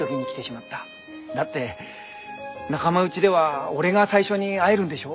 だって仲間内では俺が最初に会えるんでしょ？